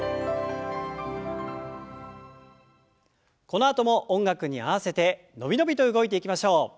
このあとも音楽に合わせて伸び伸びと動いていきましょう。